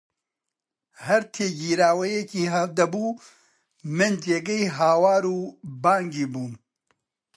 هەر تێگیراوییەکی دەبوو من جێگەی هاوار و بانگی بووم